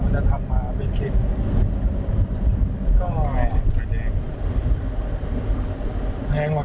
เราจะทำมาเป็นคลิป